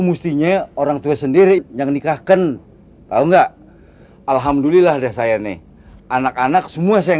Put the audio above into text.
mustinya orangtue sendiri yang nikahkan tahu nggak alhamdulillah deh saya nih anak anak semua saya